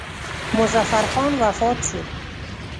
مظفر خان وفات شو.